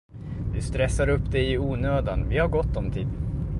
Du stressar upp dig i onödan, vi har gott om tid!